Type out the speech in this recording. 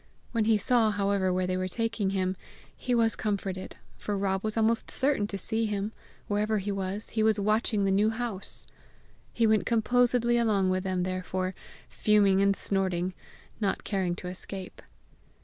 When he saw, however, where they were taking him, he was comforted, for Rob was almost certain to see him: wherever he was, he was watching the New House! He went composedly along with them therefore, fuming and snorting, not caring to escape.